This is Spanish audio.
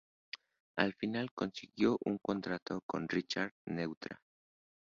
Al final consiguió un contrato con Richard Neutra.